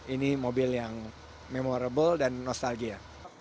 ini mobil yang memorable dan nostalgia